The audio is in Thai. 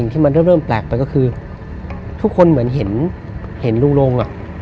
ทุกคนเหมือนเห็นลุงหลง